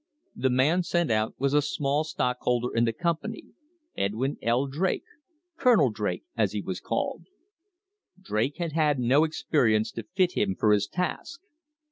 The man sent out was a small stockholder in the company, Edwin L. Drake, "Colonel" Drake as he was called. Drake had had no experience to fit him for his task.